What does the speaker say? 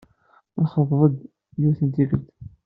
Nexḍeb-d, yiwet n tikkelt.